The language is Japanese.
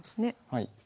はい。